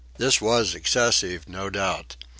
This was excessive, no doubt.